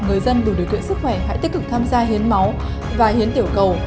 người dân đủ điều kiện sức khỏe hãy tích cực tham gia hiến máu và hiến tiểu cầu